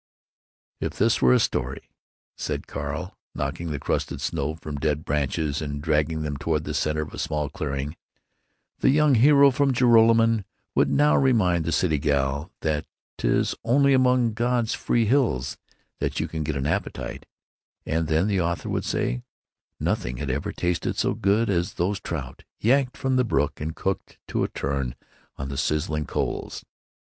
"If this were a story," said Carl, knocking the crusted snow from dead branches and dragging them toward the center of a small clearing, "the young hero from Joralemon would now remind the city gal that 'tis only among God's free hills that you can get an appetite, and then the author would say, 'Nothing had ever tasted so good as those trout, yanked from the brook and cooked to a turn on the sizzling coals.